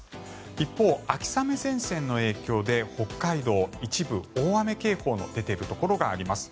一方、秋雨前線の影響で北海道、一部大雨警報の出ているところがあります。